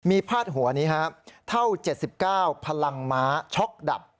มีพาดหัวนี้ครับเท่า๗๙พลังม้าช็อกดับ